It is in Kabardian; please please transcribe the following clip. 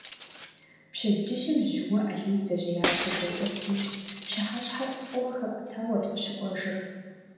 Пщэдджыжьым жьыуэ Алий бдзэжьеящэ дэкӏырти, пщыхьэщхьэр фӏыуэ хэкӏуэтауэт къыщыкӏуэжыр.